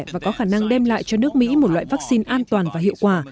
và có khả năng đem lại cho nước mỹ một loại vaccine an toàn và hiệu quả